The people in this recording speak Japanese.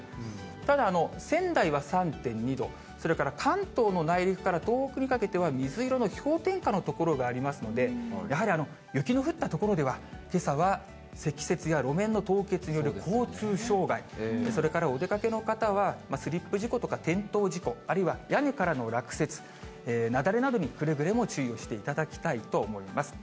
ただ、仙台は３．２度、それから関東の内陸から東北にかけては水色の氷点下の所がありますので、やはり雪の降った所では、けさは積雪や路面の凍結による交通障害、それからお出かけの方は、スリップ事故とか転倒事故、あるいは屋根からの落雪、雪崩などにくれぐれも注意をしていただきたいと思います。